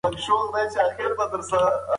تاسو باید دا ناول په پوره غور سره ولولئ.